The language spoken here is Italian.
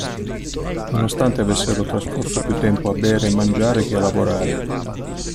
Nonostante avessero trascorso più tempo a bere e mangiare che a lavorare.